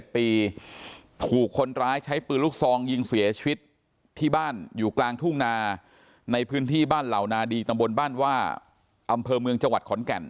ถูกคนร้ายใช้ปืนลูกซองยิงเสียชีวิตที่บ้านอยู่กลางทุ่งนาในพื้นที่บ้านเหล่านาดีตำบลบ้านว่าอำเภอเมืองจังหวัดขอนแก่น